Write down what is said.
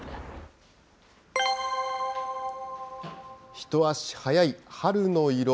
一足早い春の色。